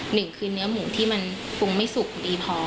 หนึ่งคือเนื้อหมูที่มันปรุงไม่สุกดีพอ